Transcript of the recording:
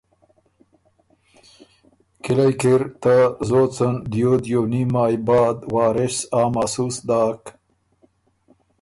کلِئ کی ر ته زوځن دیو دیوونیم مایٛ بعد وارث آ محسوس داک